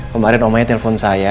kemarin omanya telpon saya